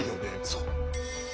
そう。